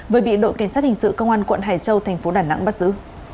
với bị đội kiến sát hình sự công an quận hải châu thành phố đà nẵng bắt giữ